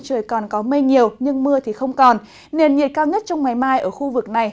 trời còn có mây nhiều nhưng mưa thì không còn nền nhiệt cao nhất trong ngày mai ở khu vực này